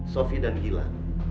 sophie dan gilang